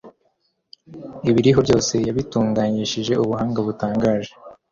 ibiriho byose yabitunganyishije ubuhanga butangaje